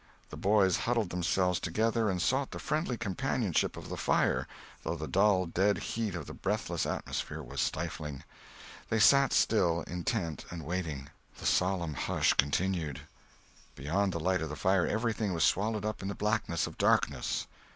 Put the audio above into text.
The boys huddled themselves together and sought the friendly companionship of the fire, though the dull dead heat of the breathless atmosphere was stifling. They sat still, intent and waiting. The solemn hush continued. Beyond the light of the fire everything was swallowed up in the blackness of darkness.